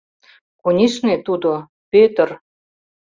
Конешне, тудо, Пӧтыр!